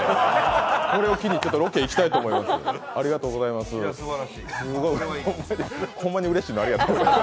これを機にロケ、行きたいと思います。